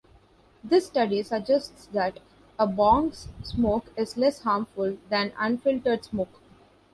This study suggests that a bong's smoke is less harmful than unfiltered smoke.